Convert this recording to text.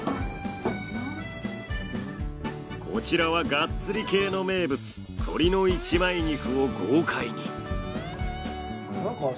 こちらはガッツリ系の名物鶏の一枚肉を豪快に。